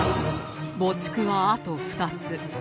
没句はあと２つ